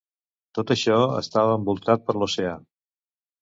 Tot això estava envoltat per l'oceà.